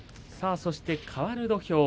そして、かわる土俵。